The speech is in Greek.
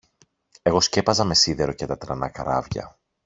εγώ σκέπαζα με σίδερο και τα τρανά καράβια